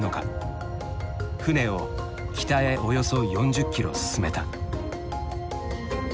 船を北へおよそ４０キロ進めた。